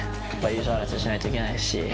優勝争いしないといけないし。